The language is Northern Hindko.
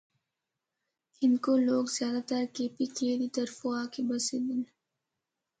ہندکو لوگ زیادہ تر کے پی کے دی طرفو آکے بسے دے ہن۔